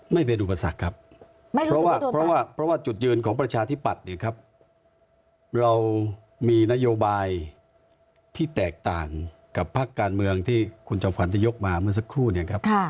ไม่เป็นอุปสรรคครับเพราะว่าเพราะว่าจุดยืนของประชาธิปัตย์เนี่ยครับเรามีนโยบายที่แตกต่างกับภาคการเมืองที่คุณจอมขวัญจะยกมาเมื่อสักครู่เนี่ยครับ